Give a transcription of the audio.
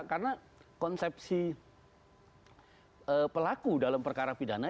karena konsepsi pelaku dalam perkara pidana